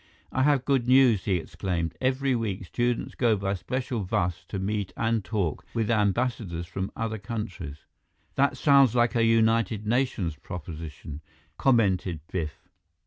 "I have good news," he exclaimed. "Every week, students go by special bus to meet and talk with ambassadors from other countries." "That sounds like a United Nations proposition," commented Biff.